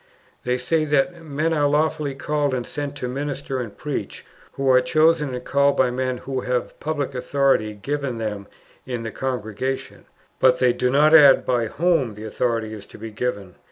They say that men are lawfully called and sent to minister and preach, who are chosen and called by men who have public authority given them in the Congregation; but they do not add by whom the authority is to be given.